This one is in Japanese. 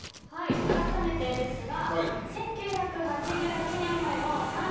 あらためてですが１９８８年生まれの３３歳。